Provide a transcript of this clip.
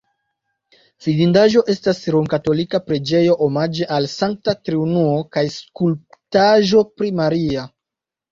Vidindaĵoj estas la romkatolika preĝejo omaĝe al Sankta Triunuo kaj skulptaĵo pri Maria.